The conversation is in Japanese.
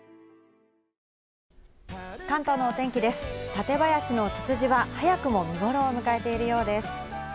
館林のつつじは早くも見頃を迎えているようです。